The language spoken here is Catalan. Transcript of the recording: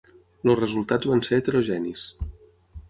Els resultats van ser heterogenis.